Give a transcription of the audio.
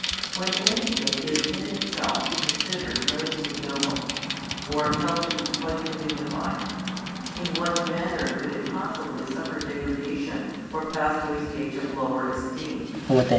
When anything is in itself considered most ignoble, or held to be quite undignified, in what manner could it possibly suffer degradation or pass to a stage of lower esteem?